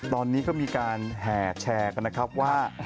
ตอนนี้ก็มีการแห่แชร์กันนะครับว่า